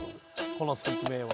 この説明は。